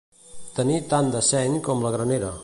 Tenir tant de seny com la granera.